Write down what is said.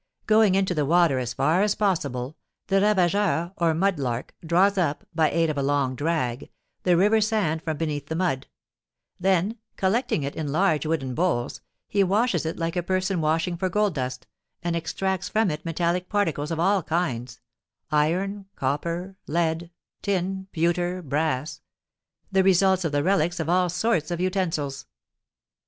Going into the water as far as possible, the ravageur, or mud lark, draws up, by aid of a long drag, the river sand from beneath the mud; then, collecting it in large wooden bowls, he washes it like a person washing for gold dust, and extracts from it metallic particles of all kinds, iron, copper, lead, tin, pewter, brass, the results of the relics of all sorts of utensils.